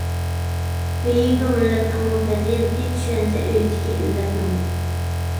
بېيىيدۇ مىللەتنىڭمۇ پەزىلىتى، چۈشەنسە ئۆزىدىكى ئىللەتنىمۇ.